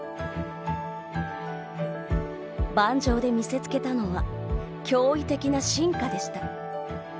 盤上で見せつけたのは驚異的な進化でした。